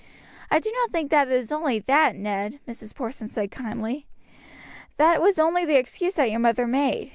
"I do not think that it is only that, Ned," Mrs. Porson said kindly. "That was only the excuse that your mother made.